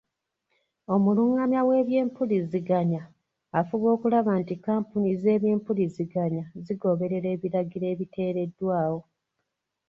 Omulungamya w'ebyempuliziganya afuba okulaba nti kampuni z'empuliziganya zigoberera ebiragiro ebiteereddwawo.